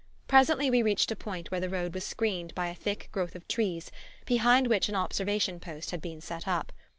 Presently we reached a point where the road was screened by a thick growth of trees behind which an observation post had been set up.